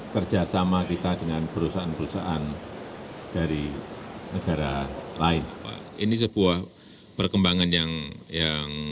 kerjasama kita dengan perusahaan perusahaan dari negara lain ini sebuah perkembangan yang yang